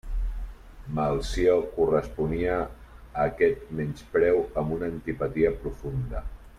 Melcior corresponia a aquest menyspreu amb una antipatia profunda.